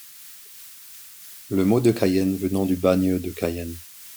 Le mot de cayenne venant du Bagne de Cayenne.